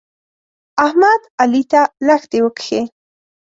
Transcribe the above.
احمد؛ علي ته لښتې وکښې.